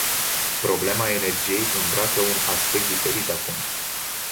Problema energiei îmbracă un aspect diferit acum.